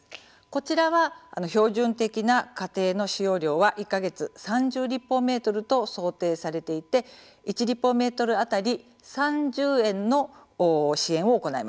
こちらは標準的な家庭の使用量は１か月３０立方メートルと想定されていて１立方メートル当たり３０円の支援を行います。